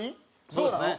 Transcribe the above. そうですね。